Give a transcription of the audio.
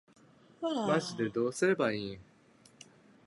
マジでどうすればいいん